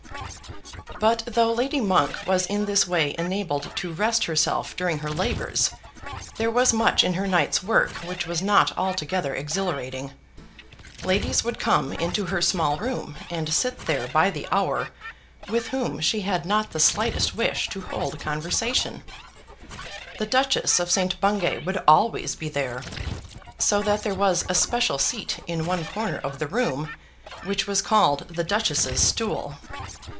But though Lady Monk was in this way enabled to rest herself during her labours, there was much in her night's work which was not altogether exhilarating. Ladies would come into her small room and sit there by the hour, with whom she had not the slightest wish to hold conversation. The Duchess of St. Bungay would always be there, so that there was a special seat in one corner of the room which was called the Duchess' stool.